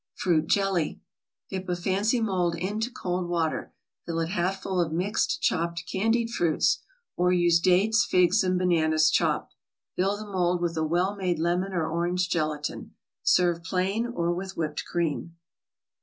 FRUIT JELLY Dip a fancy mold into cold water, fill it half full of mixed chopped candied fruits, or use dates, figs and bananas chopped. Fill the mold with a well made lemon or orange gelatin. Serve plain, or with whipped cream.